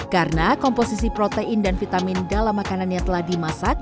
karena komposisi protein dan vitamin dalam makanan yang telah dimasak